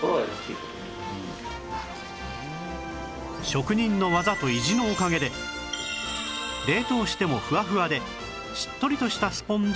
職人の技と意地のおかげで冷凍してもフワフワでしっとりとしたスポンジを実現